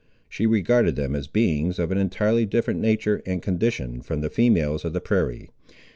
She regarded them as beings of an entirely different nature and condition from the females of the prairie.